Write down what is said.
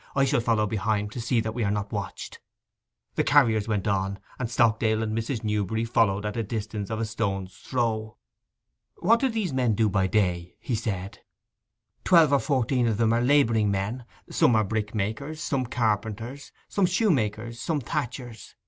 'I shall follow behind, to see that we are not watched.' The carriers went on, and Stockdale and Mrs. Newberry followed at a distance of a stone's throw. 'What do these men do by day?' he said. 'Twelve or fourteen of them are labouring men. Some are brickmakers, some carpenters, some shoe makers, some thatchers.